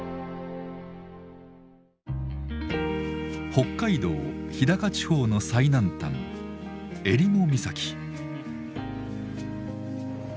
北海道日高地方の最南端襟裳岬。